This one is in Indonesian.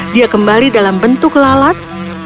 dia kembali dalam bentuk lalat